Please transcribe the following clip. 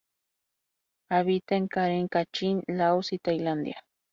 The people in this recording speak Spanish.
Habita en Karen, Kachin, Laos y Tailandia.